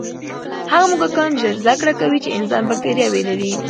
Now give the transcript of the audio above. هغه موږکان ژر زده کړه کوي چې انسان بکتریاوې لري.